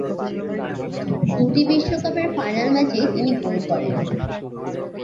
দুটি বিশ্বকাপের ফাইনাল ম্যাচেই তিনি গোল করেন।